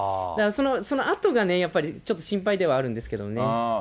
だからそのあとがやっぱり、ちょっと心配ではあるんですけどね。